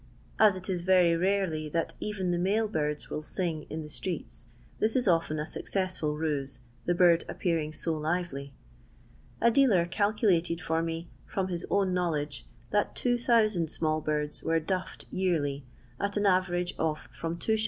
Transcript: As it is Tery rarely that eren the male birds will ling in the streets, this it often a successful ruse, the bird appearing so lively. A dealer calculated for me, from his own know ledge, that 2000 small birds were " duflfed" yearly, at an average of from 2s.